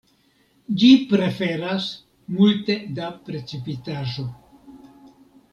Ĝi preferas multe da precipitaĵo.